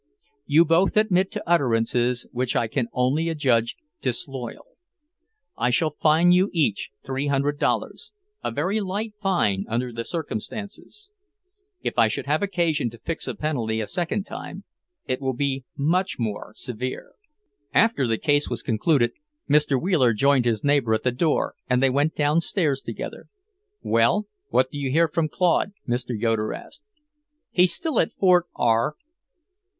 You both admit to utterances which I can only adjudge disloyal. I shall fine you each three hundred dollars; a very light fine under the circumstances. If I should have occasion to fix a penalty a second time, it will be much more severe." After the case was concluded, Mr. Wheeler joined his neighbour at the door and they went downstairs together. "Well, what do you hear from Claude?" Mr. Yoeder asked. "He's still at Fort R